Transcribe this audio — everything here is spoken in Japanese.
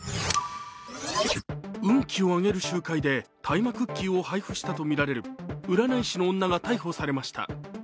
運気を上げる集会で大麻クッキーを配布したとみられる占い師の女が逮捕されました。